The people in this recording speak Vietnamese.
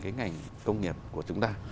cái ngành công nghiệp của chúng ta